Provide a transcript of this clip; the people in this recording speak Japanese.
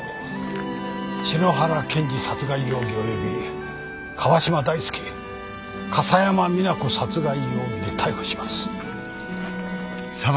篠原健治殺害容疑および川嶋大介笠山美奈子殺害容疑で逮捕します。